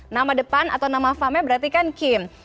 nama depan atau nama farmnya berarti kan kim